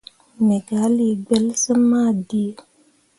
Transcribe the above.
Me gah lii gbelsyimmi ma dǝǝ.